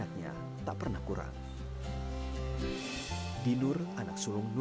wanita kelahiran enam agustus seribu sembilan ratus enam puluh sembilan ini